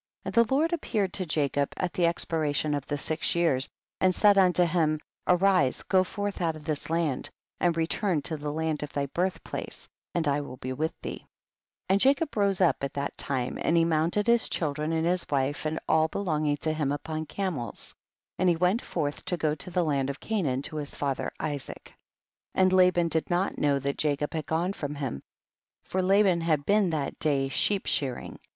And the Lord appeared to Jacob at the expiration of the six years, and said unto him, arise go forth out of this land, and return to the land of thy birth place and I will be with thee. 38. And Jacob rose up at that time and he mounted his children and wives and all belonging to him upon camels, and he went forth to go to the land of Canaan to his father Isaac. 29. And Laban did not know that Jacob had gone from him, for La ban had been that day sheep shear ing.